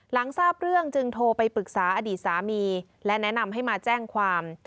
หลังทราบเรื่องจึงโทรไปปรึกษาอดีตสามีและแนะนำให้มาแจ้งความ